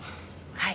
はい。